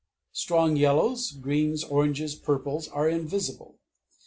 Strong yellows, greens, oranges, purples are invisible.